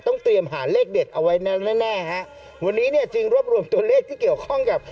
เตรียมหาเลขเด็ดเอาไว้แน่แน่ฮะวันนี้เนี่ยจึงรวบรวมตัวเลขที่เกี่ยวข้องกับ